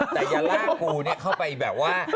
แต่อย่าล่ากูเนี่ยเข้าไปแบบว่า